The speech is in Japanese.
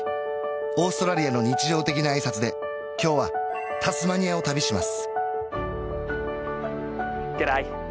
オーストラリアの日常的な挨拶で今日はタスマニアを旅します